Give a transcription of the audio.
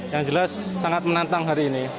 yang jelas sangat menantang hari ini